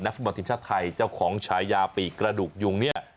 ฟุตบอลทีมชาติไทยเจ้าของฉายาปีกกระดูกยุงเนี่ย